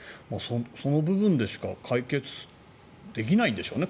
その部分でしか解決できないんでしょうね